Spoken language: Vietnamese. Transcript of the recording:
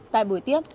tại buổi tiếp